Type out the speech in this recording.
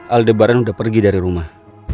aldebaran udah pergi dari rumah